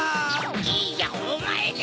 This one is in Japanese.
いやおまえだ！